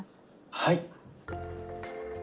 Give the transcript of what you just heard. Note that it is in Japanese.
はい。